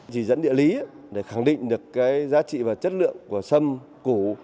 chỉ dẫn địa lý để khẳng định được cái giá trị và chất lượng của sâm củ